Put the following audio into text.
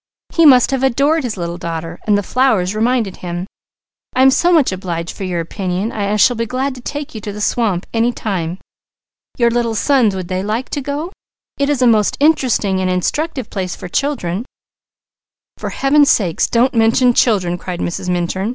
"He must have adored his little daughter and the flowers reminded him. I am so much obliged for your opinion and I shall be glad to take you to the swamp any time. Your little sons would they like to go? It is a most interesting and instructive place for children." "For Heaven's sake don't mention children!" cried Mrs. Minturn.